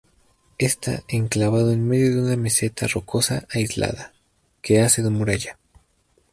Está enclavado en medio de una meseta rocosa aislada, que hace de muralla.